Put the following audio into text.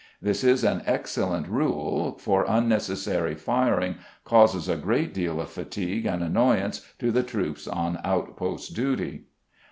This is an excellent rule, for unnecessary firing causes a great deal of fatigue and annoyance to the troops on outpost duty.